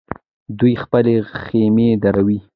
دوی خپلې خېمې دروي.